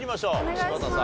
柴田さん